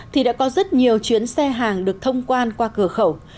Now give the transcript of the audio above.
thì đã có rất nhiều chuyến xe hàng được thông quan qua cửa khẩu